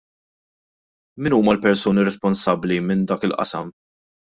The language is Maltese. Min huma l-persuni responsabbli minn dak il-qasam?